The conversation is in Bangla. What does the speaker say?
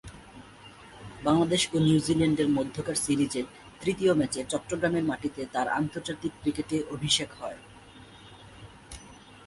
বাংলাদেশ ও নিউজিল্যান্ডের মধ্যকার সিরিজের তৃতীয় ম্যাচে চট্টগ্রামের মাটিতে তার আন্তর্জাতিক ক্রিকেটে অভিষেক হয়।